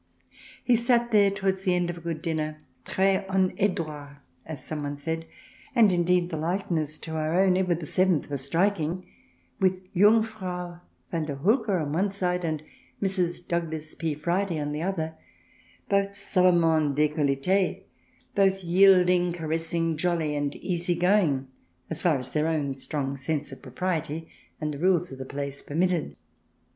He sat there, towards the end of a good dinner — tres en Edouard, as someone said, and indeed the likeness to our own Edward VII. was striking — with Jungfrau Van Der Hulkne on one side, and Mr. Douglas P. Fridey on the other, both savantment decolletees, both yielding, caressing, jolly and easy going as far as their own strong sense of propriety and the rules of the place permitted.